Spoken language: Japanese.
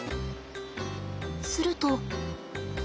すると。